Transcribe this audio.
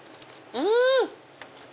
うん！